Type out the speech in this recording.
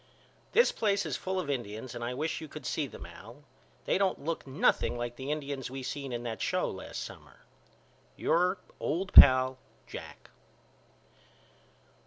This place is full of Indians and I wish you could see them Al. They don't look nothing like the Indians we seen in that show last summer. Your old pal, JACK.